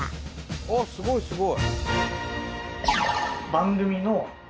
あっすごいすごい！